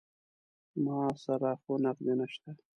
ما سره خو نقدې نه شته.